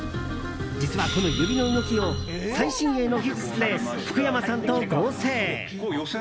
実は、この指の動きを最新鋭の技術で福山さんと合成。